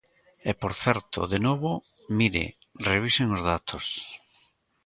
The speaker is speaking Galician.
E por certo, de novo, mire, revisen os datos.